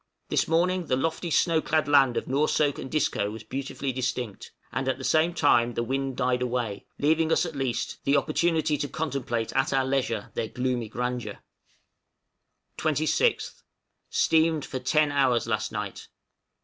This morning the lofty snow clad land of Noursoak and Disco was beautifully distinct; and at the same time the wind died away, leaving us, at least, the opportunity to contemplate at our leisure their gloomy grandeur. {CAPTAIN YOUNG'S JOURNEY.} 26th. Steamed for ten hours last night.